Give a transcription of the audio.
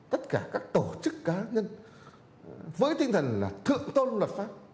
tất cả các tổ chức cá nhân với tinh thần là thượng tôn luật pháp